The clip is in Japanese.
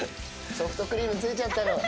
ソフトクリームついちゃったの？